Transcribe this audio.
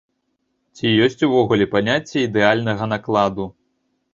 Ці ёсць увогуле паняцце ідэальнага накладу?